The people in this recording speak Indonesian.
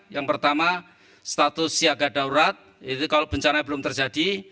yang pertama status siaga daurat kalau bencana belum terjadi